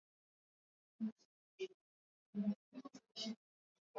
kwa kupitisha sheria ya kitaifa kurudisha Roe V Wade